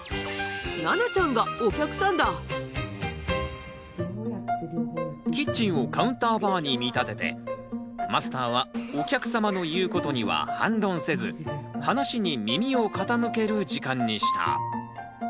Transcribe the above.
らなちゃんがお客さんだキッチンを「カウンターバー」に見立ててマスターはお客様の言うことには反論せず話に耳を傾ける時間にした。